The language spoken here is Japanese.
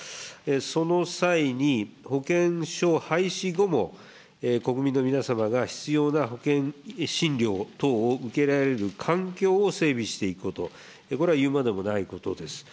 その際に、保険証廃止後も、国民の皆様が必要な保険診療等を受けられる環境を整備していくこと、これは言うまでもないことです。